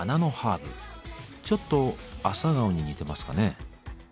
ちょっとアサガオに似てますかね。